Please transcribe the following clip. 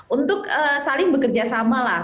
untuk saling bekerja sama lah